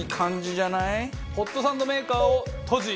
ホットサンドメーカーを閉じ。